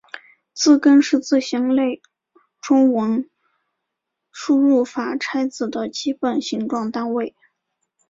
字根是字形类中文输入法拆字的基本形状单位。